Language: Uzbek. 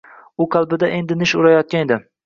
U qalbida endi nish urayotgan edi.